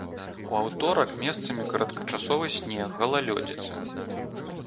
У аўторак месцамі кароткачасовы снег, галалёдзіца.